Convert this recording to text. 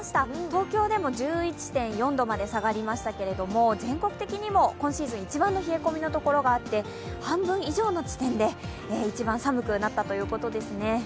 東京でも１１．４度まで下がりましたけれども、全国的にも今シーズン一番の冷え込みのところがあって半分以上の地点で一番寒くなったということですね。